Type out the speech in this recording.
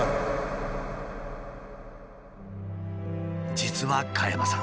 実は加山さん